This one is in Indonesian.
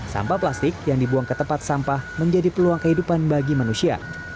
sampah plastik yang dibuang ke tempat sampah menjadi peluang kehidupan bagi manusia